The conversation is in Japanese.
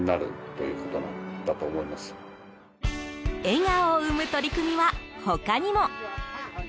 笑顔を生む取り組みは他にも。